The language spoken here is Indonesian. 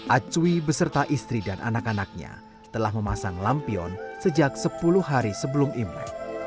acui beserta istri dan anak anaknya telah memasang lampion sejak sepuluh hari sebelum imlek